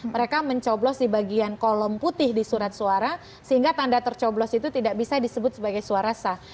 mereka mencoblos di bagian kolom putih di surat suara sehingga tanda tercoblos itu tidak bisa disebut sebagai suara sah